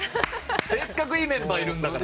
せっかくいいメンバーいるんだから。